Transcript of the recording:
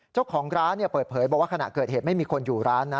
เจ้าของร้านเปิดเผยบอกว่าขณะเกิดเหตุไม่มีคนอยู่ร้านนะ